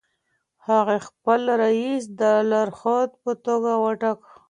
هغې خپل رییس د لارښود په توګه وټاکه.